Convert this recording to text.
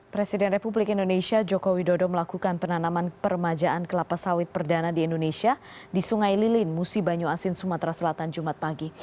presiden republik indonesia joko widodo melakukan penanaman permajaan kelapa sawit perdana di indonesia di sungai lilin musi banyu asin sumatera selatan jumat pagi